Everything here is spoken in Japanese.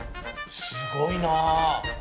すごいな！